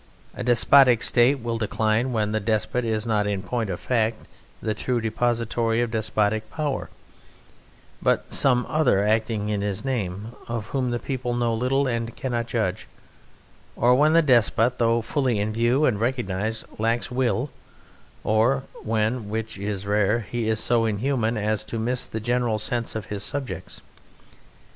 A despotic State will decline when the despot is not in point of fact the true depository of despotic power, but some other acting in his name, of whom the people know little and cannot judge; or when the despot, though fully in view and recognized, lacks will; or when (which is rare) he is so inhuman as to miss the general sense of his subjects.